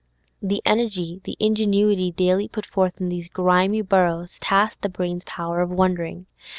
The energy, the ingenuity daily put forth in these grimy burrows task the brain's power of wondering.